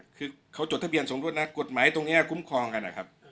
คือเขาจดทะเบียนสมรสนะกฎหมายตรงนี้คุ้มครองกันนะครับ